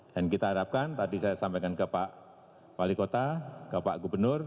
dan kita harapkan tadi saya sampaikan ke pak wali kota ke pak gubernur